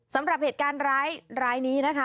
สำหรับเหตุการณ์ร้ายนี้นะคะ